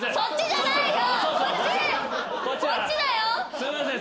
すいません。